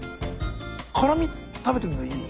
辛み食べてみてもいい？